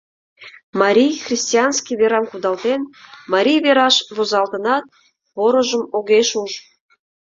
Марий, христианский верам кудалтен, марий вераш возалтынат, порыжым огеш уж.